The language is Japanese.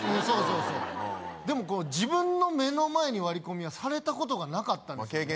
そうそうそうでも自分の目の前に割り込みはされたことがなかったんですよ